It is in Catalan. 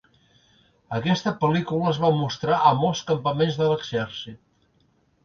Aquesta pel·lícula es va mostrar a molts campaments de l'exèrcit.